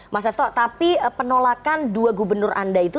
mas sesto tapi penolakan dua gubernur anda itu